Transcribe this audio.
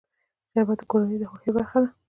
شربت د کورنۍ د خوښۍ برخه ده